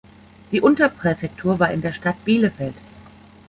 Die Unterpräfektur war in der Stadt Bielefeld.